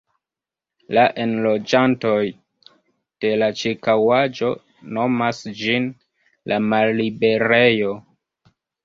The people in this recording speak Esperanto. La enloĝantoj de la ĉirkaŭaĵo nomas ĝin "la malliberejo".